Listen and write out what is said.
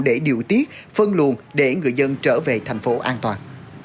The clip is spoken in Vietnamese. để điều tiết phân luồng để người dân trở về thành phố an toàn